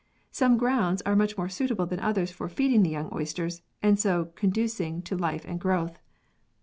Some grounds are much more suitable than others for feeding the young oysters, and so conducing to life and growth.